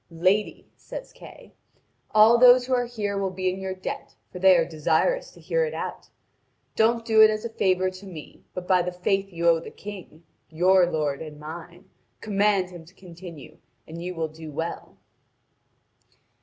"Lady," says Kay, "all those who are here will be in your debt, for they are desirous to hear it out. Don't do it as a favour to me! But by the faith you owe the King, your lord and mine, command him to continue, and you will do well."